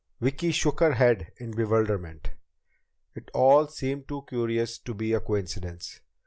Vicki shook her head in bewilderment. It all seemed too curious to be a coincidence.